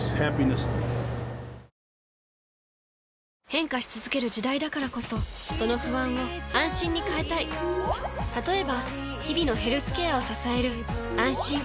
変化し続ける時代だからこそその不安を「あんしん」に変えたい例えば日々のヘルスケアを支える「あんしん」